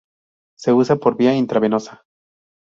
Se usa por vía intravenosa.